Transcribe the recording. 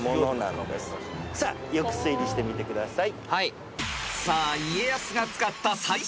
さあよく推理してみてください。